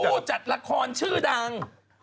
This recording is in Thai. ผู้จัดละครชื่อดัง